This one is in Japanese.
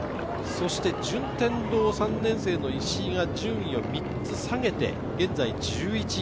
順天堂３年生の石井が順位を３つ下げて１１位。